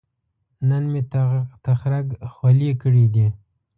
نن مې تخرګ خولې کړې دي